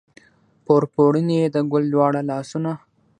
پر پوړني یې د ګل دواړه لاسونه